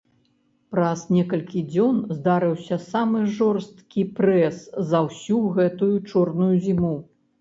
Праз некалькі дзён здарыўся самы жорсткі прэс за ўсю гэтую чорную зіму.